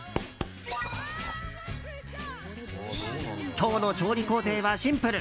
今日の調理工程はシンプル。